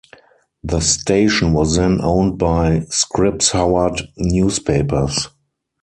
The station was then owned by Scripps-Howard Newspapers.